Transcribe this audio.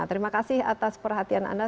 terima kasih atas perhatian anda